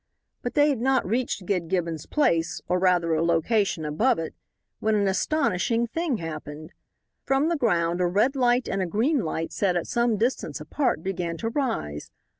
But they had not reached Gid Gibbons's place, or rather a location above it, when an astonishing thing happened. From the ground a red light and a green light set at some distance apart began to rise.